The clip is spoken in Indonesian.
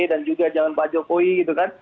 dan juga jaman pak jokowi gitu kan